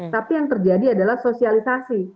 tapi yang terjadi adalah sosialisasi